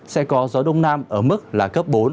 sẽ có gió đông nam ở mức là cấp bốn